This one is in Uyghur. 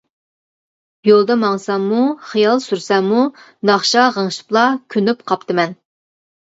يولدا ماڭساممۇ، خىيال سۈرسەممۇ ناخشا غىڭشىپلا كۆنۈپ قاپتىمەن.